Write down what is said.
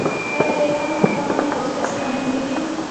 آیا د ایران پارلمان مجلس نه نومیږي؟